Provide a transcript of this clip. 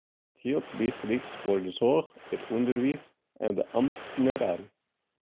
Dat jildt bygelyks foar de soarch, it ûnderwiis, en de amtnerij.